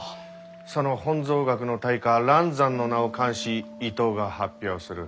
その本草学の大家蘭山の名を冠し伊藤が発表する。